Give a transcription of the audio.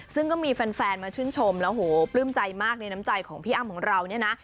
ซึ่งก็มีแฟนมาชื่นชมแล้วโหปลื้มใจมากในน้ำใจของพี่อ้ำของเราเนี่ยนะ